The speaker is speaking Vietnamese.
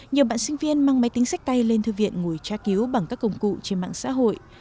nhiều bạn sinh viên mang máy tính sách tay lên thư viện ngồi tra cứu bằng các công cụ trên mạng xã hội